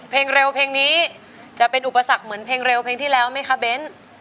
เพลงเร็วเพลงนี้จะเป็นอุปสรรคเหมือนเพลงเร็วเพลงที่แล้วไหมคะเบ้น